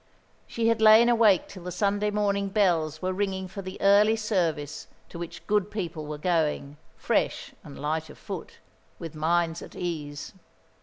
She had lain awake till the Sunday morning bells were ringing for the early service to which good people were going, fresh and light of foot, with minds at ease.